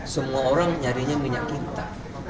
semua orang nyarinya minyak kita